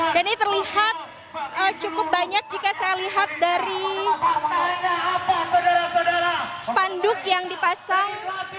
dan ini terlihat cukup banyak jika saya lihat dari spanduk yang dipasang